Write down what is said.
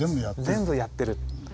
全部やってると。